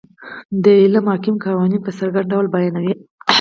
دا علم حاکم قوانین په څرګند ډول بیانوي.